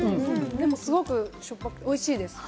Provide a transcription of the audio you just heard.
でもすごく美味しいです。